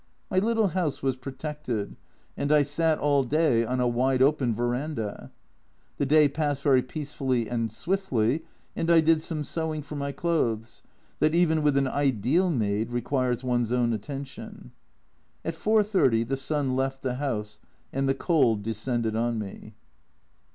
My little house was protected, and I sat all day on a wide open verandah. The day passed very peacefully and swiftly and I did some sewing for my clothes, that, even with an ideal maid, requires one's own attention. At 4.30 the sun left the house, and the cold descended on me.